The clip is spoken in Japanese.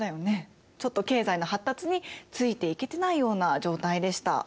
ちょっと経済の発達についていけてないような状態でした。